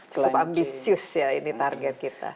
cukup ambisius ya ini target kita